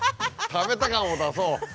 食べた感を出そう。